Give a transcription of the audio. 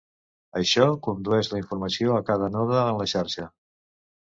Això condueix la informació a cada node en la xarxa.